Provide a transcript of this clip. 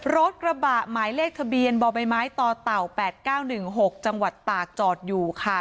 รถกระบะหมายเลขทะเบียนบบตต๘๙๑๖จังหวัดตากจอดอยู่ค่ะ